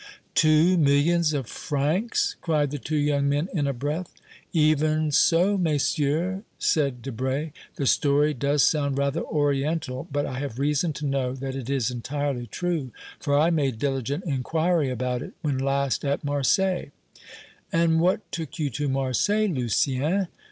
"Two millions of francs!" cried the two young men in a breath. "Even so, Messieurs," said Debray. "The story does sound rather oriental; but I have reason to know that it is entirely true, for I made diligent inquiry about it when last at Marseilles." "And what took you to Marseilles, Lucien?"